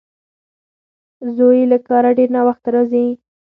زوی یې له کاره ډېر ناوخته راځي.